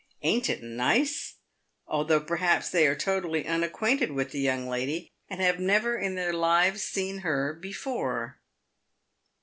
ain't it nice ?" although, perhaps, they are totally unac quainted with the young lady, and have never in their lives seen her before.